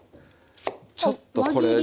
ちょっとこれに。